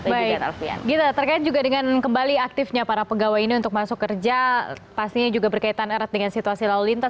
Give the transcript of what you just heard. baik alfian gita terkait juga dengan kembali aktifnya para pegawai ini untuk masuk kerja pastinya juga berkaitan erat dengan situasi lalu lintas